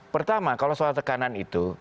pertama kalau soal tekanan itu